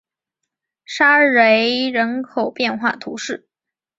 沙雷人口变化图示